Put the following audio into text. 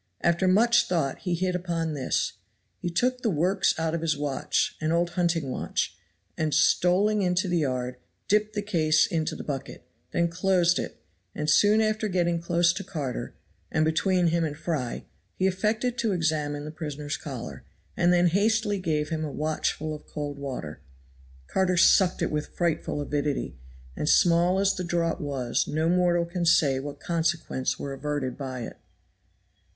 After much thought he hit upon this; he took the works out of his watch an old hunting watch and stolling into the yard, dipped the case into the bucket, then closed it; and soon after getting close to Carter, and between him and Fry, he affected to examine the prisoner's collar, and then hastily gave him a watchful of cold water. Carter sucked it with frightful avidity, and small as the draught was no mortal can say what consequences were averted by it.